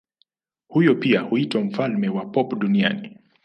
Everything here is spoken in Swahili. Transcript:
Huyu pia huitwa mfalme wa pop duniani.